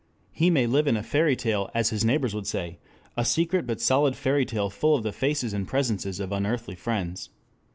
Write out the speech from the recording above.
He may live in a fairy tale as his neighbors would say; a secret but solid fairy tale full of the faces and presences of unearthly friends.